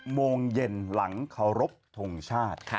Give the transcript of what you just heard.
๖โมงเย็นหลังขอรบทงชาติ